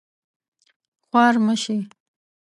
خوار مه شې